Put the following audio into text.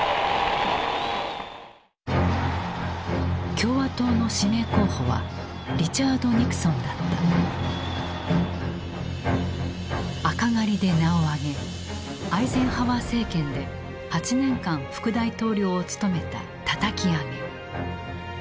共和党の指名候補は赤狩りで名を上げアイゼンハワー政権で８年間副大統領を務めたたたき上げ。